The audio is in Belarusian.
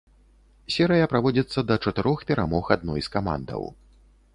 Серыя праводзіцца да чатырох перамог адной з камандаў.